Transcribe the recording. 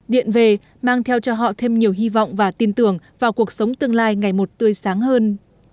điện về mang theo cho họ thêm nhiều hy vọng và tin tưởng vào cuộc sống tương lai ngày một tươi sáng hơn